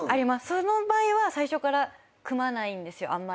その場合は最初から組まないんですよ。